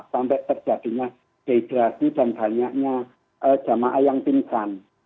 sampai terjadinya dehidrasi dan banyaknya jamaah yang pingsan